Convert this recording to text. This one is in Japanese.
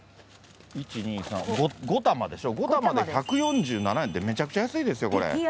５玉で１４７円ってめちゃくちゃ安いですよこれ。